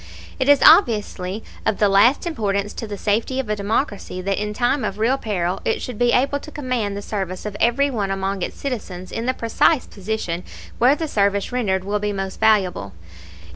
It is obviously of the last importance to the safety of a democracy that in time of real peril it should be able to command the service of every one among its citizens in the precise position where the service rendered will be most valuable.